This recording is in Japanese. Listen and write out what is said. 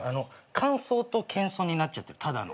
感想と謙遜になっちゃってるただの。